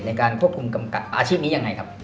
ในการควบคุมกำกับอาชีพนี้ยังไงครับ